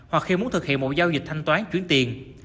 hoặc khi muốn thực hiện một giao dịch thanh toán chuyển tiền